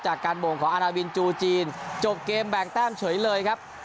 การโมงของอาณาวินจูจีนจบเกมแบ่งแต้มเฉยเลยครับ